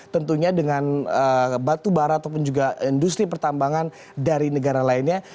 tentunya dengan batu bara ataupun juga industri pertambangan dari negara lainnya